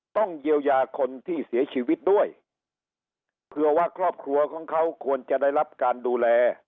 ต้องเยียวยาคนที่เสียชีวิตด้วยเผื่อว่าครอบครัวของเขาควรจะได้รับการดูแล